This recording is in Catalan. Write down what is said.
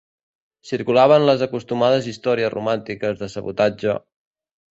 Circulaven les acostumades històries romàntiques de sabotatge